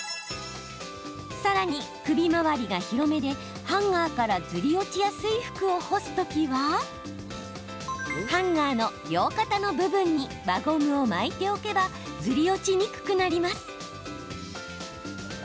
さらに、首回りが広めでハンガーからずり落ちやすい服を干すときはハンガーの両肩の部分に輪ゴムを巻いておけばずり落ちにくくなります。